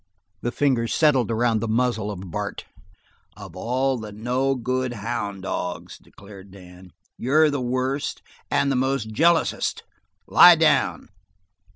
The fingers settled around the muzzle of Bart. "Of all the no good houn' dogs," declared Dan, "you're the worst, and the most jealousest. Lie down!"